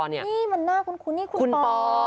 นี่มันหน้าคุณคุณคุณปอ